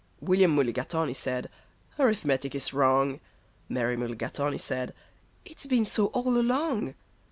William Mulligatawny said, "Arithmetic is wrong." Mary Mulligatawny said, "It's been so all along."